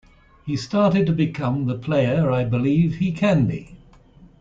He started to become the player I believe he can be.